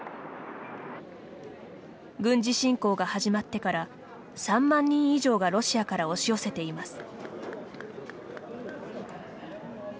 軍事侵攻が始まってから３万人以上がロシアから押し寄せています。